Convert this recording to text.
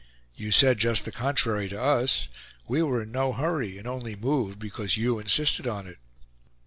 "You said just the contrary to us. We were in no hurry, and only moved because you insisted on it."